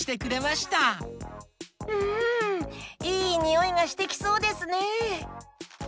うんいいにおいがしてきそうですね！